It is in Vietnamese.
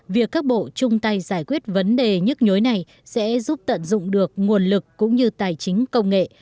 việc các bộ chung tay giải quyết vấn đề nhức nhối này sẽ giúp tận dụng được nguồn lực cũng như tài chính công nghệ